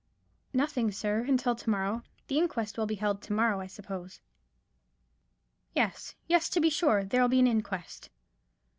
"Nothing, sir, until to morrow. The inquest will be held to morrow, I suppose." "Yes—yes, to be sure. There'll be an inquest."